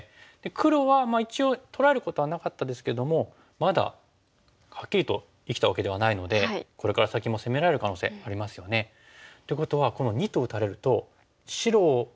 黒はまあ一応取られることはなかったですけどもまだはっきりと生きたわけではないのでこれから先も攻められる可能性ありますよね。ということはこの②と打たれると白を守りながら黒を攻める。